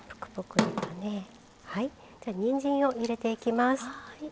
にんじんを入れていきます。